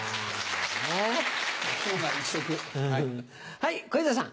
はい小遊三さん。